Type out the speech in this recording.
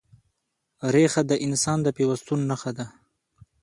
ریښه د انسان د پیوستون نښه ده.